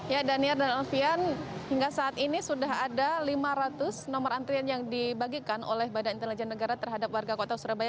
ya daniar dan alfian hingga saat ini sudah ada lima ratus nomor antrian yang dibagikan oleh badan intelijen negara terhadap warga kota surabaya